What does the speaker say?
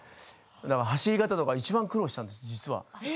走り方とかいちばん苦労したんです、実は。